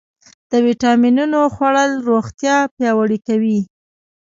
د ویټامینونو خوړل روغتیا پیاوړې کوي.